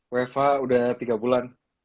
wfh udah tiga bulan